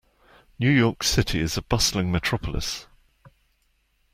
New York City is a bustling metropolis.